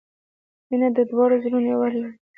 • مینه د دواړو زړونو یووالی دی.